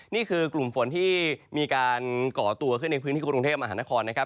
นี่คือกลุ่มฝนที่มีการก่อตัวขึ้นในพื้นที่กรุงเทพมหานครนะครับ